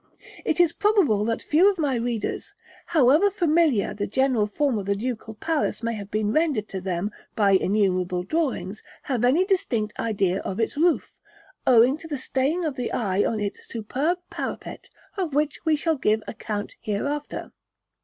It is probable that few of my readers, however familiar the general form of the Ducal Palace may have been rendered to them by innumerable drawings, have any distinct idea of its roof, owing to the staying of the eye on its superb parapet, of which we shall give account hereafter.